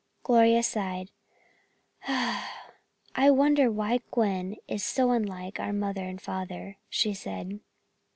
Gloria sighed: "I wonder why Gwen is so unlike our mother and father?" she said.